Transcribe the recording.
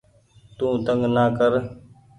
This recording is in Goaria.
تو تنگ نآ ڪر